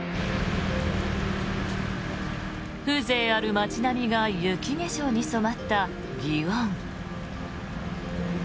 風情ある街並みが雪化粧に染まった祇園。